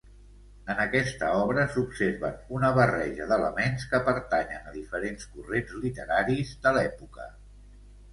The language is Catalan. En aquesta obra s'observen una barreja d'elements que pertanyen a diferents corrents literaris de l'època.